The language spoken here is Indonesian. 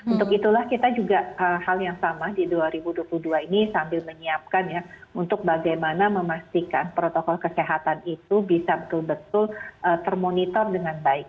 untuk itulah kita juga hal yang sama di dua ribu dua puluh dua ini sambil menyiapkan ya untuk bagaimana memastikan protokol kesehatan itu bisa betul betul termonitor dengan baik